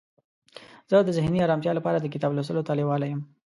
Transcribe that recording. زه د ذهني آرامتیا لپاره د کتاب لوستلو ته لیواله یم.